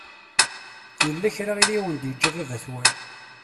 Yella kra i awen-d-yeǧǧa baba-twen?